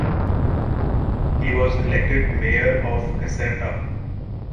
He was elected mayor of Caserta.